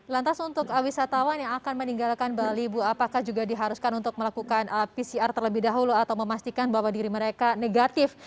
lantas untuk wisatawan yang akan meninggalkan bali bu apakah juga diharuskan untuk melakukan pcr terlebih dahulu atau memastikan bahwa diri mereka negatif